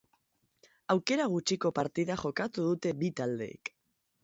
Aukera gutxiko partida jokatu dute bi taldeek.